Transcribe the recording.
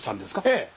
ええ。